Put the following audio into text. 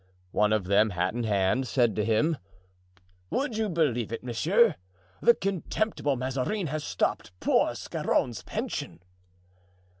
One of them, hat in hand, said to him: "Would you believe it, monsieur? that contemptible Mazarin has stopped poor Scarron's pension."